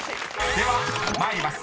［では参ります。